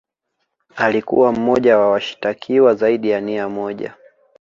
Alikuwa mmoja wa washitakiwa zaidi ya nia moja